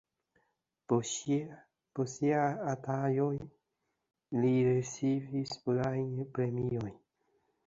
Por siaj artaĵoj li ricevis plurajn premiojn.